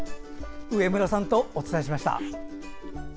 上村さんとお伝えしました。